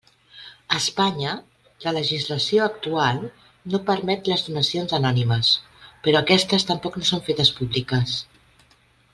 A Espanya, la legislació actual no permet les donacions anònimes, però aquestes tampoc no són fetes públiques.